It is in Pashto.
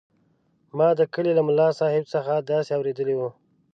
ما د کلي له ملاصاحب څخه داسې اورېدلي وو.